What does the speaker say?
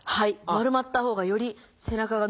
丸まったほうがより背中が伸びております。